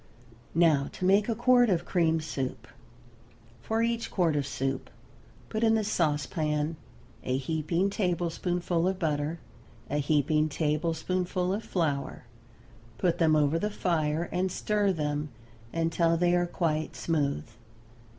Now to make a quart of cream soup: For each quart of soup put in the sauce pan a heaping tablespoonful of butter, a heaping tablespoonful of flour; put them over the fire and stir them until they are quite smooth.